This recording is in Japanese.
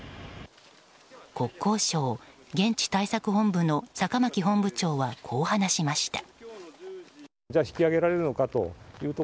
国交省現地対策本部の坂巻本部長はこう話しました。